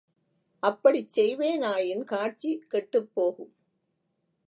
அப்படிச் செய்வேனாயின் காட்சி கெட்டுப்போகும்.